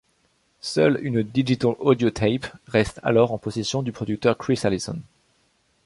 Seule une Digital Audio Tape reste alors en possession du producteur Chris Allison.